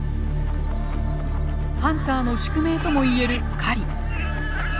ハンターの宿命とも言える狩り。